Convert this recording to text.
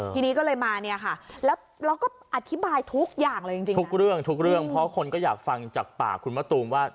ทีนี้ก็เลยมาเนี่ยค่ะแล้วเราก็อธิบายทุกอย่างเลยจริงทุกเรื่องทุกเรื่องเพราะคนก็อยากฟังจากปากคุณมะตูมว่า